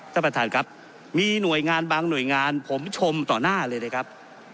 ท่านประธานครับมีหน่วยงานบางหน่วยงานผมชมต่อหน้าเลยนะครับ